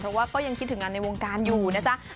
เพราะว่าก็ยังคิดถึงงานในวงการอยู่นะจ๊ะ